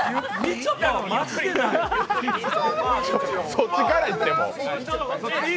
そっちからいって、もう。